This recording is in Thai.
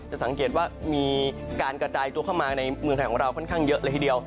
สังเกตว่ามีการกระจายตัวเข้ามาในเมืองไทยของเราค่อนข้างเยอะเลยทีเดียว